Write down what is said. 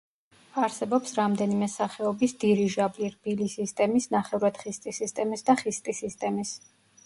არსებობს რამდენიმე სახეობის დირიჟაბლი: რბილი სისტემის, ნახევრად ხისტი სისტემის და ხისტი სისტემის.